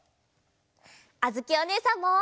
あづきおねえさんも！